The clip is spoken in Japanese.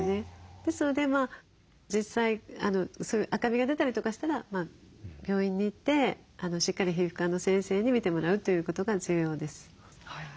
ですので実際赤みが出たりとかしたら病院に行ってしっかり皮膚科の先生に診てもらうということが重要です。